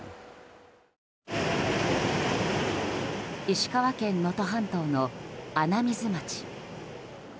石川県能登半島の穴水町。